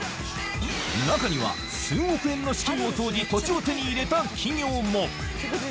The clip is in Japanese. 中には数億円の資金を投じ、土地を手に入れた企業も。